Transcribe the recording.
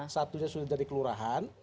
satunya sudah jadi kelurahan